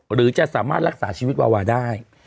หรือจะสามารถรักษาชีวิตวาวาได้